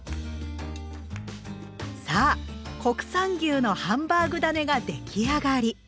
さあ国産牛のハンバーグだねが出来上がり。